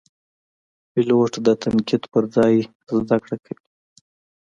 پیلوټ د تنقید پر ځای زده کړه کوي.